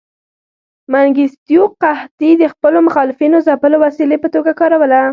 منګیستیو قحطي د خپلو مخالفینو ځپلو وسیلې په توګه کاروله.